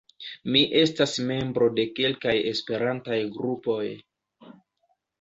Mi estas membro de kelkaj Esperantaj grupoj.